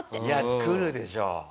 いや来るでしょ。